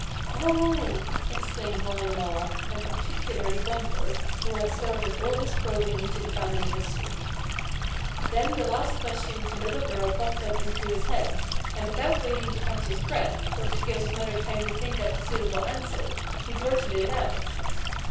"Oh!" exclaimed one and all, and particularly Bumper, who had started all this probing into the family history. Then the last question of the little girl popped up into his head, and without waiting to catch his breath, or to give his mother time to think up a suitable answer, he blurted it out.